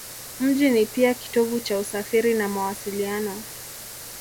Mji ni pia kitovu cha usafiri na mawasiliano.